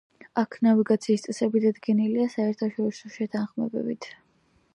აქ ნავიგაციის წესები დადგენილია საერთაშორისო შეთანხმებებით.